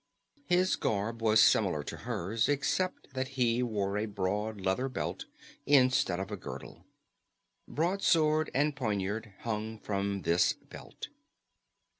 His garb was similar to hers, except that he wore a broad leather belt instead of a girdle. Broadsword and poniard hung from this belt.